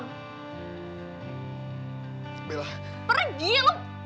gue gak segan segan buat panggil satpam